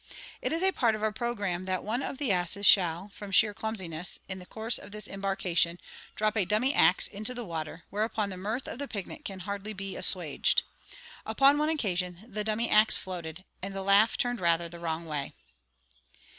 It is a part of our programme that one of the asses shall, from sheer clumsiness, in the course of this embarkation, drop a dummy axe into the water, whereupon the mirth of the picnic can hardly be assuaged. Upon one occasion, the dummy axe floated, and the laugh turned rather the wrong way.